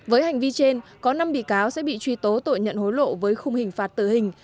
với hành vi trên có năm bị cáo sẽ bị truy tố tội nhận hối lộ với khung hình phạt tử hình